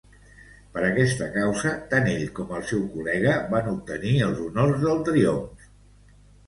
Per aquesta causa tant ell com el seu col·lega van obtenir els honors del triomf.